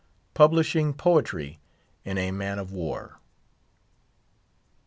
PUBLISHING POETRY IN A MAN OF WAR.